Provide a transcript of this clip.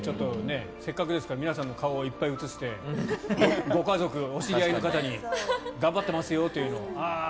せっかくですから皆さんの顔をいっぱい映してご家族、お知り合いの方に頑張ってますよというのを。